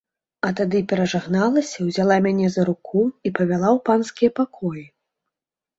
А тады перажагналася, узяла мяне за руку і павяла ў панскія пакоі.